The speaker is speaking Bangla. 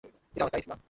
এটা অনেক টাইট, মা।